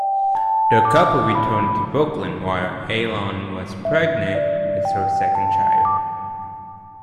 The couple returned to Brooklyn while Aylon was pregnant with her second child.